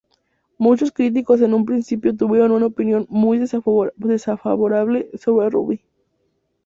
Muchos críticos en un principio tuvieron una opinión muy desfavorable sobre Ruby.